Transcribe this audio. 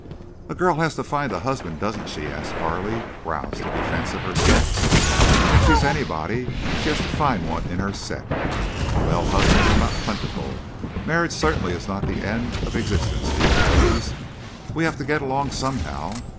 "A girl has to find a husband, doesn't she?" asked Carley, roused to defense of her sex. "And if she's anybody she has to find one in her set. Well, husbands are not plentiful. Marriage certainly is not the end of existence these days. We have to get along somehow.